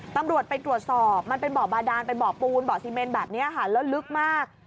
ตำรวจไปตรวจสอบมันเป็นบ่อบาดานเป็นบ่อปูนบ่อซีเมนแบบนี้ค่ะแล้วลึกมาก